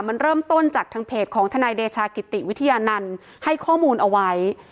มันเริ่มต้นจากทางเพจของทนายเดชากิติวิทยานันต์ให้ข้อมูลเอาไว้